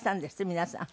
皆さん。